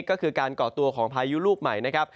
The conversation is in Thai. ก็คือการก่อตัวของพายุลูกใหม่นะครับ